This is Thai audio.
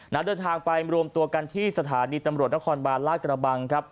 เดินทางไปรวมตัวกันที่สถานีตำรวจนครบาลลากระบังครับ